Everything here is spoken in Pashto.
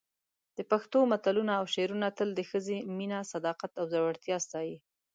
د پښتو متلونه او شعرونه تل د ښځې مینه، صداقت او زړورتیا ستایي.